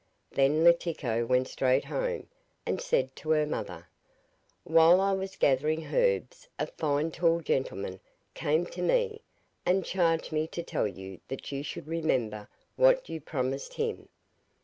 Then Letiko went straight home, and said to her mother: 'While I was gathering herbs a fine tall gentleman came to me and charged me to tell you that you should remember what you promised him.